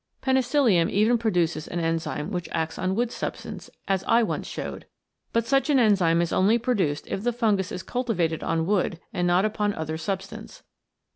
Penicillium even produces an enzyme which acts on wood substance, as I once showed. But such an enzyme is only produced if the fungus is cultivated on wood and not upon any other substance.